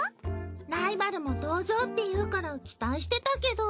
ライバルも登場っていうから期待してたけど。